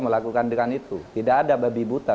melakukan dengan itu tidak ada babi buta